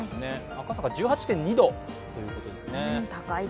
赤坂１８．２度ということです。